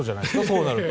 そうなると。